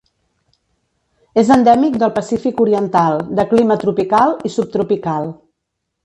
És endèmic del Pacífic oriental de clima tropical i subtropical.